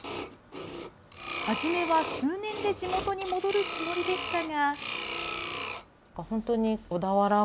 初めは数年で地元に戻るつもりでしたが。